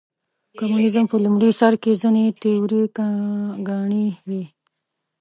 کمونیزم په لومړي سر کې ځینې تیوري ګانې وې.